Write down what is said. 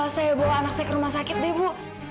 saya bawa anak saya ke rumah sakit deh bu